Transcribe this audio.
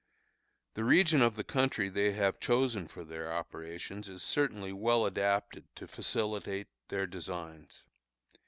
The region of the country they have chosen for their operations is certainly well adapted to facilitate their designs.